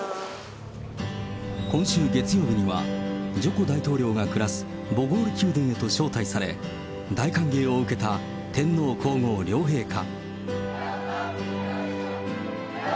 今週月曜日にはジョコ大統領が暮らすボゴール宮殿へと招待され、大歓迎を受けた天皇皇后両陛下。